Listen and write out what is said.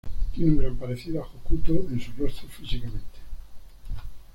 Tiene un gran parecido a Hokuto en su rostro físicamente.